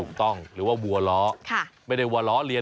หรือว่าบัวล้อไม่ได้ว่าล้อเลียน